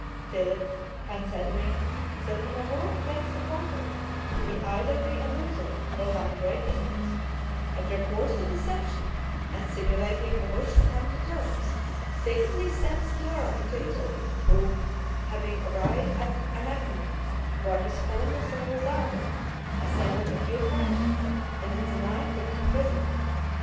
Philip, considering that in a war against the pontiff he would either be a loser or run great hazards, had recourse to deception, and simulating a wish to come to terms, secretly sent Sciarra into Italy, who, having arrived at Anagnia, where his holiness then resided, assembled a few friends, and in the night took him prisoner.